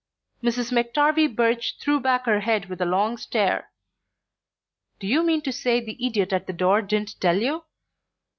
Mrs. McTarvie Birch threw back her head with a long stare. "Do you mean to say the idiot at the door didn't tell you?